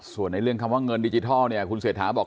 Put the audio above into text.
ส่วนในเรื่องคำว่าเงินดิจิทัลคุณเสถาบอก